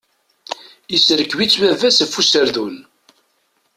Iserkeb-itt baba-s f userdun.